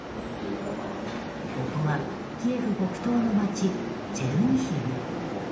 ここはキエフ北東の街チェルニヒウ。